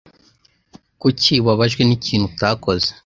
Kuki ubabajwe n'ikintu utakoze?